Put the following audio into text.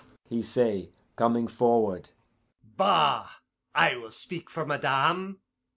he say, coming forward 'bah! I will speak for madame.